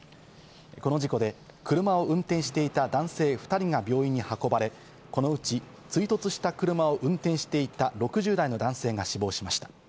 この事故で車を運転していた男性２人が病院に運ばれ、このうち追突した車を運転していた６０代の男性が死亡しました。